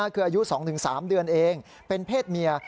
คืออายุ๒๓เดือนเองเป็นเพศเมีย